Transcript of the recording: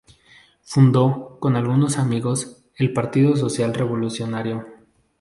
Fundó, con algunos amigos, el Partido Social Revolucionario.